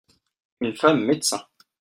Une femme médecin.